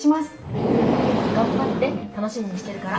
いいよいいよ頑張って楽しみにしてるから。